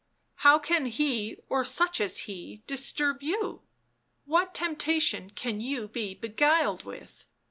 " How can he or such as he disturb you ? What temptation can you be beguiled with